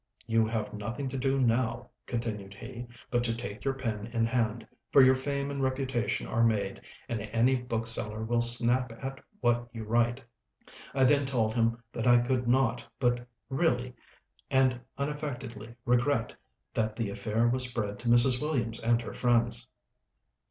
"You have nothing to do now," continued he, "but to take your pen in hand; for your fame and reputation are made, and any bookseller will snap at what you write." I then told him that I could not but really and unaffectedly regret that the affair was spread to Mrs. Williams and her friends.